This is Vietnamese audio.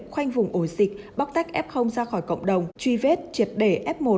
khoanh vùng ổ dịch bóc tách f ra khỏi cộng đồng truy vết triệt để f một